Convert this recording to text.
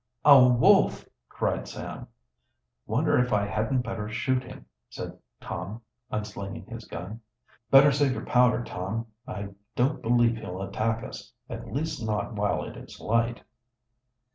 "A wolf!" cried Sam. "Wonder if I hadn't better shoot him," said Tom, unslinging his gun. "Better save your powder, Tom. I don't believe he'll attack us at least not while it is light."